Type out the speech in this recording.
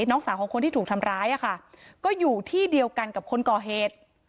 น้องสาวของคนที่ถูกทำร้ายอ่ะค่ะก็อยู่ที่เดียวกันกับคนก่อเหตุ